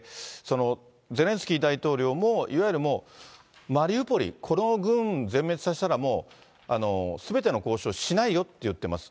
ゼレンスキー大統領も、いわゆるマリウポリ、この軍を全滅させたら、もうすべての交渉しないよって言ってます。